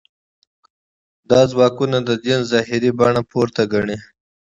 دا ځواکونه د دین ظاهري بڼه پورته ګڼي.